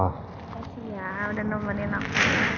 kasih ya udah nontonin aku